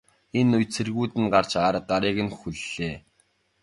Энэ үед цэргүүд нь ирж гарыг нь хүллээ.